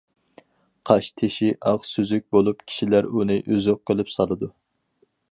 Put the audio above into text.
قاش تېشى ئاق، سۈزۈك بولۇپ، كىشىلەر ئۇنى ئۈزۈك قىلىپ سالىدۇ.